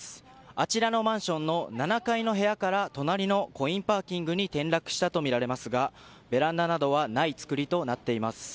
あちらのマンションの７階の部屋から隣のコインパーキングに転落したとみられますがベランダなどはない造りとなっています。